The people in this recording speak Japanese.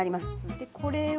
でこれを。